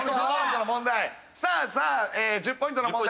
さあさあ１０ポイントの問題